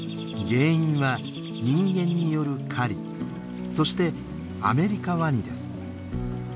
原因は人間による狩りそしてアメリカワニです。